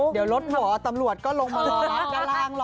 เดี๋ยวรถหัวตำรวจก็ลงมาลองล้างหลอกล้อย